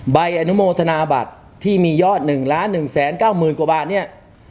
ใบอนุโมทนาบัตรที่มียอด๑๑๙๐๐๐กว่าบาทเนี่ย